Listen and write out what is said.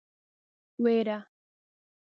وېره.